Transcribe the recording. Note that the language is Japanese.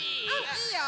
いいよ。